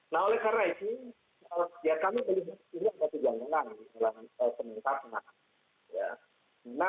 nah oleh karena itu kami berhubungan dengan penyelenggaraan dengan pemerintah